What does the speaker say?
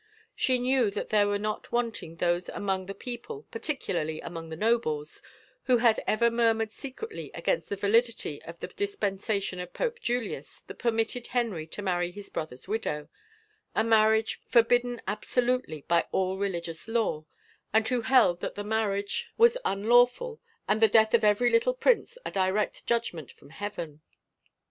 She knew that there were not wanting those among the people, particularly among the nobles, who had ever murmured secretly against the validity of the dispensation of Pope Julius that permitted Henry to marry his brother's widow, a marriage forbidden abso lutely by all religious law, and who held that the marriage 95 THE FAVOR OF KINGS was unlawful and the death of every little prince a direct judgment from Heaven.